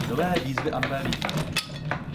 Nové výzvy a nové vyhlídky.